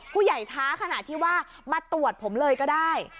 ท้าขนาดที่ว่ามาตรวจผมเลยก็ได้